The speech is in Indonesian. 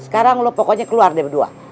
sekarang lo pokoknya keluar dia berdua